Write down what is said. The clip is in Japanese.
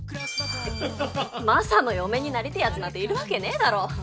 マサの嫁になりてえやつなんているわけねえだろ。